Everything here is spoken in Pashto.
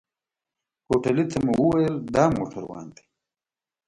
هوټلي ته مو وويل دا موټروان دی.